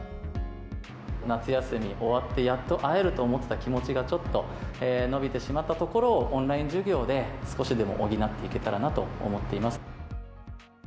夏休み終わって、やっと会えると思った気持ちがちょっと延びてしまったところをオンライン授業で、少しでも補っていけたらなと思っています。